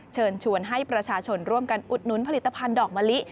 เชิญชวนให้ประชาชนร่วมกันอุดหนุนผลิตภัณฑ์ดอกมะลิ